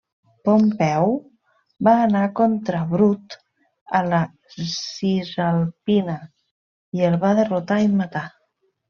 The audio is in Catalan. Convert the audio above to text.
Pompeu va anar contra Brut a la Cisalpina i el va derrotar i matar.